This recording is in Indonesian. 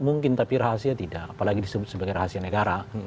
mungkin tapi rahasia tidak apalagi disebut sebagai rahasia negara